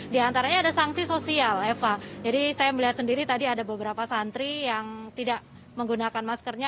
di antaranya ada sanksi sosial eva jadi saya melihat sendiri tadi ada beberapa santri yang tidak menggunakan maskernya